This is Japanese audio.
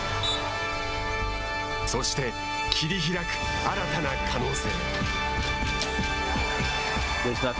そして、切り開く新たな可能性。